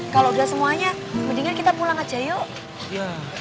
kalau udah semuanya mendingan kita pulang aja yuk